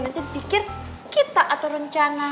nanti pikir kita atau rencana